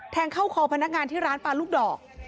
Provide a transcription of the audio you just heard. เข้าคอพนักงานที่ร้านปลาลูกดอก